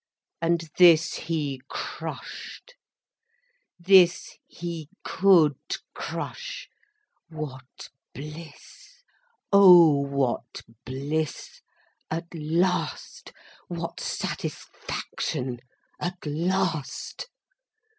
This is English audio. And this he crushed, this he could crush. What bliss! Oh what bliss, at last, what satisfaction, at last!